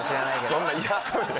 そんな嫌そうに。